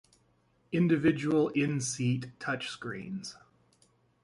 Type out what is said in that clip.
Individual in-seat touchscreens.